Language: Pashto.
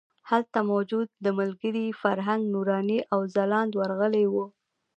هلته موجود ملګري فرهنګ، نوراني او ځلاند ورغلي وو.